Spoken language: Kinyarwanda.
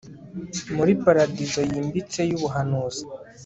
Muri paradizo yimbitse yubuhanzi